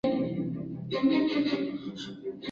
它亦配备了一个防滑合成物料以便紧握。